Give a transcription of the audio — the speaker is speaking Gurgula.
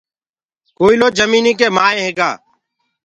ڪوئلو جميٚنيٚ ڪي مآئينٚ هيگآ